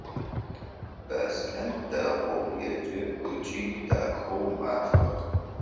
Беслъэн дэгъоу еджэ ыкӏи дахэу матхэ.